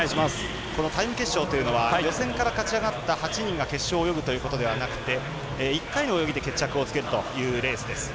タイム決勝というのは予選から勝ちあがった８人が決勝を泳ぐというわけではなくて１回の泳ぎで決着をつけるというレースです。